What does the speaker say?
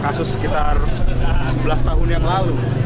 kasus sekitar sebelas tahun yang lalu